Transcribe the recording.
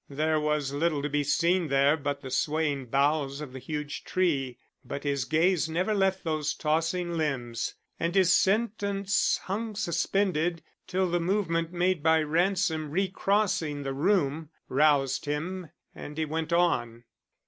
There was little to be seen there but the swaying boughs of the huge tree, but his gaze never left those tossing limbs, and his sentence hung suspended till the movement made by Ransom recrossing the room roused him, and he went on.